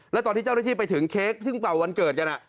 แล้วตอนที่เจ้าหน้าที่ไปถึงเค้กซึ่งเป่าวันเกิดกัน